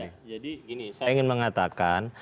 jadi gini saya ingin mengatakan